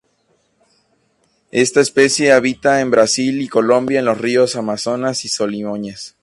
Esta especie habita en Brasil y Colombia, en los ríos Amazonas y Solimões.